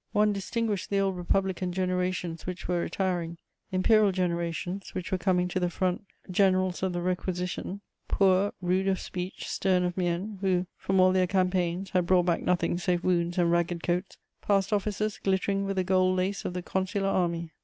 One distinguished the old republican generations which were retiring, imperial generations which were coming to the front Generals of the Requisition, poor, rude of speech, stern of mien, who, from all their campaigns, had brought back nothing save wounds and ragged coats, passed officers glittering with the gold lace of the Consular Army.